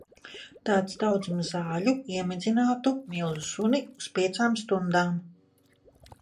Tāds daudzums zaļu iemidzinātu milzu suni uz piecām stundām.